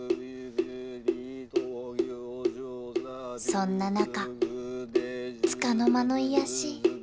［そんな中つかの間の癒やし］